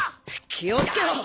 気をつけろ！